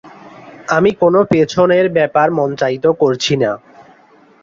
আমি কোন পেছনের ব্যাপার মঞ্চায়িত করছি না।